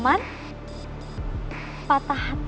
sulit jadi kata onion nanti ya